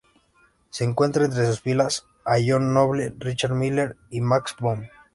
Se cuentan entre sus filas a John Noble, Richard Miller, y Max Bohm.